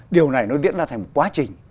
điều này nó diễn ra thành một quá trình